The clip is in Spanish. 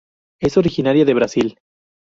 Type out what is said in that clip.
Es originaria de Brasil.